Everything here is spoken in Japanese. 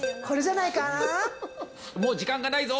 もう時間がないぞ！